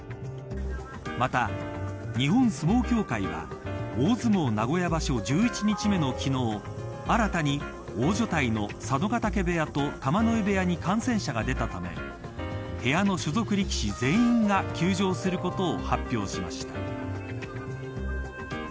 また、日本相撲協会は大相撲名古屋場所１１日目の昨日新たに大所代の佐渡ヶ嶽部屋と玉ノ井部屋に感染者が出たため部屋の所属力士全員が休場することを発表しました。